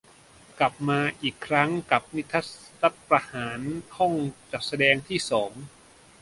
กลับมาอีกครั้งกับ 'นิทรรศรัฐประหาร' ห้องจัดแสดงที่สอง